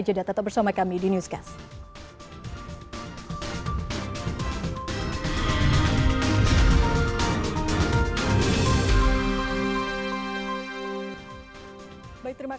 jadi tetap bersama kami di newscast